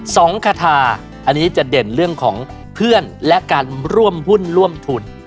คาทาอันนี้จะเด่นเรื่องของเพื่อนและการร่วมหุ้นร่วมทุน